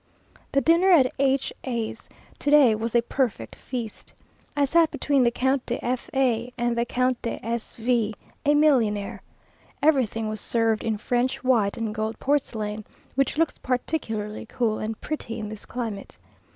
The dinner at H a's to day was a perfect feast. I sat between the Count de F a and the Count de S V , a millionaire. Everything was served in French white and gold porcelain, which looks particularly cool and pretty in this climate.